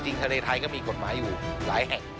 ทะเลไทยก็มีกฎหมายอยู่หลายแห่ง